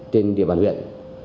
trên địa bàn huyện